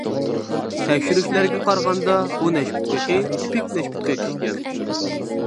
تەكشۈرۈشلەرگە قارىغاندا، بۇ نەشپۈت قېقى تىپىك نەشپۈت قېقى ئىكەن.